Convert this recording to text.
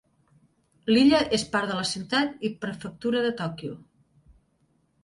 L'illa és part de la ciutat i prefectura de Tòquio.